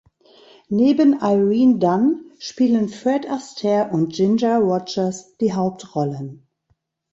Neben Irene Dunne spielen Fred Astaire und Ginger Rogers die Hauptrollen.